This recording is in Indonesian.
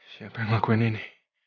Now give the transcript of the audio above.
siapa yang ngelakuin ini